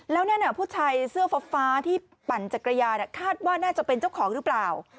แล้วนั่นผู้ชายเสื้อฟ้าที่ปั่นจักรยานคาดว่าน่าจะเป็นเจ้าของหรือเปล่า